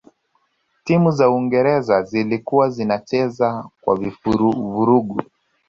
timu za uingereza zilikuwa zinacheza kwa vurugu